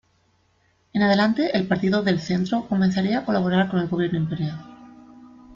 En adelante el partido del Centro comenzaría a colaborar con el gobierno imperial.